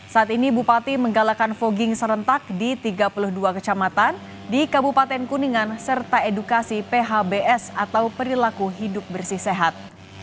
saat ini bupati menggalakkan fogging serentak di tiga puluh dua kecamatan di kabupaten kuningan serta edukasi phbs atau perilaku hidup bersih sehat